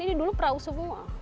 ini dulu perahu semua